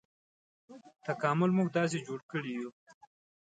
تکامل موږ داسې جوړ کړي یوو.